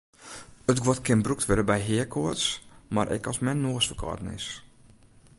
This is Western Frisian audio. It guod kin brûkt wurde by heakoarts mar ek as men noasferkâlden is.